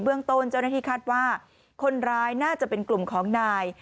เรื่องต้นเจ้าหน้าที่คาดว่าคนร้ายน่าจะเป็นกลุ่มของนาย